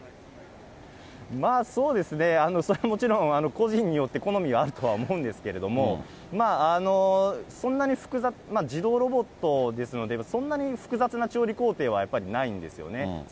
そうですね、それはもちろん個人によって好みがあるとは思うんですけれども、そんなに複雑、自動ロボットですので、そんなに複雑な調理工程はやっぱりないんですよね。